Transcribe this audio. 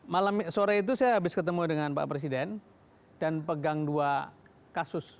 malam sore itu saya habis ketemu dengan pak presiden dan pegang dua kasus